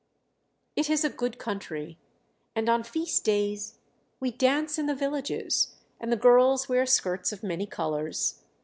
"It is a good country; and on feast days we dance in the villages, and the girls wear skirts of many colours.